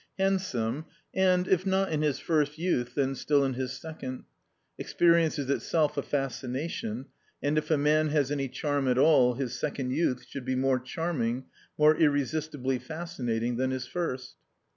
Handsome, and if not in his first youth, then still in his second. Experience is itself a fascination, and if a man has any charm at all his second youth should be more charming, more irresistibly fascinating than his first.